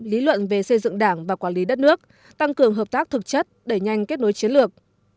lý luận về xây dựng đảng và quản lý đất nước tăng cường hợp tác thực chất đẩy nhanh kết nối chiến lược